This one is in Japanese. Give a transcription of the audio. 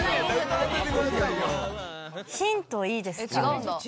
ヒントいいですかね？